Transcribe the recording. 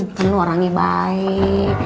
kan lu orangnya baik